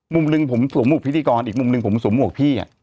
มุมหนึ่งผมสวมหวกพิธีกรอีกมุมหนึ่งผมสวมหวกพี่